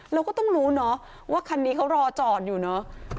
เราก็ต้องรู้เนอะว่าคันนี้เขารอจอดอยู่เนอะ